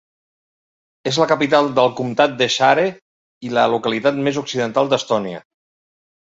És la capital del comtat de Saare i la localitat més occidental d'Estònia.